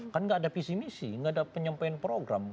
kan nggak ada visi visi nggak ada penyampaian program